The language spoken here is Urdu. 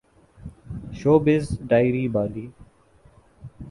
showbiz diary Bali